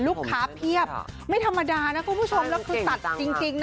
ลูกค้าเพียบไม่ธรรมดานะคุณผู้ชมแล้วคุณตัดจริงจริงนะ